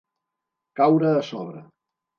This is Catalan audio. Caure a sobre.